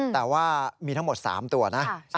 แต่ว่ามีทั้งหมด๓ตัวนะ